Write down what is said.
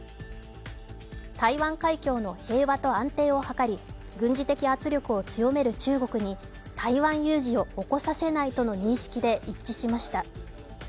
台湾海峡の平和と安定を図り、軍事的圧力を強める中国に台湾有事を起こさせないとの認識で一致しました。